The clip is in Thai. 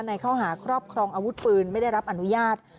ในข้อหาครอบครองอาวุธปืนไม่ได้รับอนุญาต